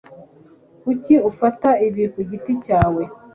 Kuki ufata ibi kugiti cyawe?